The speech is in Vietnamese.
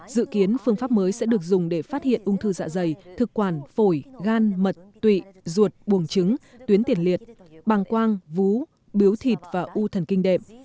dự kiến phương pháp mới sẽ được dùng để phát hiện ung thư dạ dày thực quản phổi gan mật tụy ruột buồng trứng tuyến tiền liệt bàng quang vú biếu thịt và u thần kinh đệm